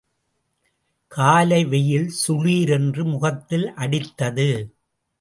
காலை வெயில் சுளீரென்று முகத்தில் அடித்தது.